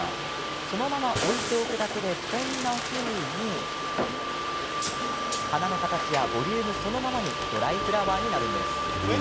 そのまま置いておくだけでこんなふうに花の形やボリュームそのままにドライフラワーになるんです。